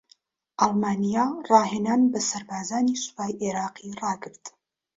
ئەڵمانیا راھێنان بە سەربازانی سوپای عێراقی راگرت